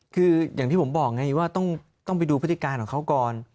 คืออย่างที่ผมบอกไงว่าต้องไปดูพฤติการของเขาก่อน